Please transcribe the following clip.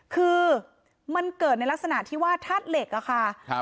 คือมันเกิดในลักษณะที่ว่าธาตุเหล็กอะค่ะ